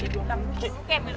dia yang akan selamat